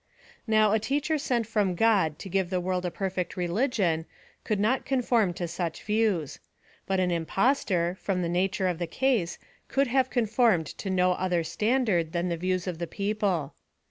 Now, a teacher sent from God to give the world a perfect religion, could not conform to such views ; but an impostor, from Hie nature of the case, could have conformed to no other standard than the views of the people.